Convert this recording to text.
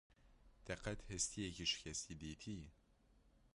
Te qet hestiyekî şikesti dîtiyî?